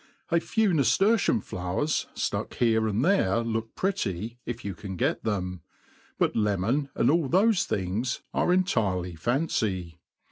A few naftertium flowers iluck here and the r"c look pretty, if you can get them ; but le mon, and all thoIc things, are entirely fancy.